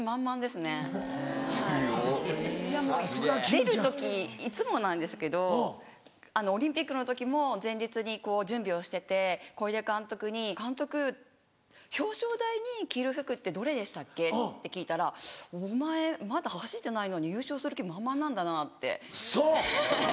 出る時いつもなんですけどオリンピックの時も前日に準備をしてて小出監督に「監督表彰台に着る服ってどれでしたっけ？」って聞いたら「お前まだ走ってないのに優勝する気満々なんだな」って。ウソ！